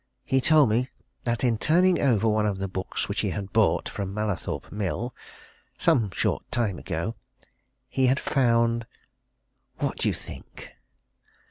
He told me that in turning over one of the books which he had bought from Mallathorpe Mill, some short time ago, he had found what do you think?"